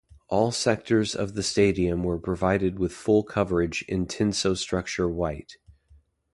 All sectors of the stadium were provided with full coverage in tensostructure white.